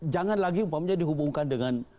jangan lagi umpamanya dihubungkan dengan